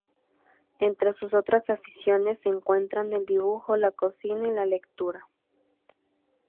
Entre sus otras aficiones se encuentran el dibujo, la cocina y la lectura.